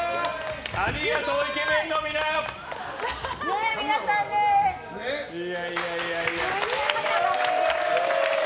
ありがとうイケメンのみんな！